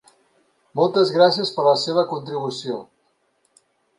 Moltes gràcies per la seva contribució.